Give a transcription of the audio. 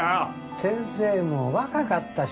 先生も若かったしな。